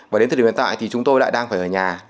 và đến thời điểm hiện tại thì chúng tôi lại đang phải ở nhà